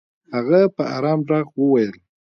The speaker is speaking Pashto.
هغه په ارام ږغ وويل.